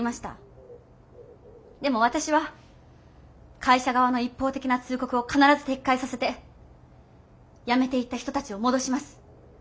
でも私は会社側の一方的な通告を必ず撤回させてやめていった人たちを戻します。